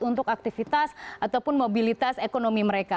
untuk aktivitas ataupun mobilitas ekonomi mereka